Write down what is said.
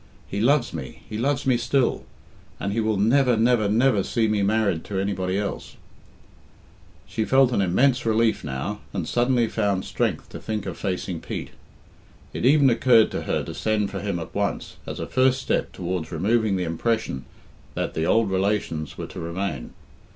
"He loves me he loves me still! And he will never, never, never see me married to anybody else." She felt an immense relief now, and suddenly found strength to think of facing Pete. It even occurred to her to send for him at once, as a first step towards removing the impression that the old relations were to remain.